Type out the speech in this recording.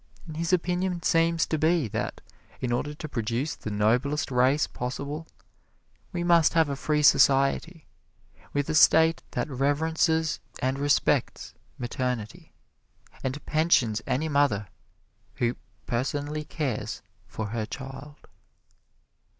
And his opinion seems to be that, in order to produce the noblest race possible, we must have a free society, with a State that reverences and respects maternity and pensions any mother who personally cares for her child.